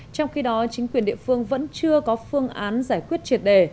trong khi đó chính quyền địa phương vẫn chưa có phương án giải quyết triệt đề